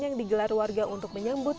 yang digelar warga untuk menyambut